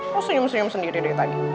lo senyum senyum sendiri deh tadi